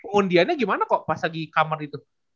pengundiannya gimana ko pas lagi kamar itu